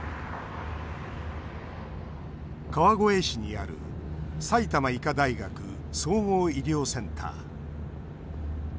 川越市にある埼玉医科大学総合医療センター。